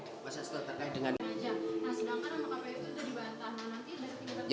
masa setelah terkait dengan kpu itu dibantah